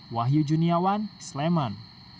wahyu juniawan sleman